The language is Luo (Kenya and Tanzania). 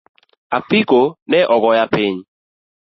Apiko neogoya piny